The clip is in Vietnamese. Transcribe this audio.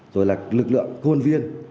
rồi là lực lượng côn viên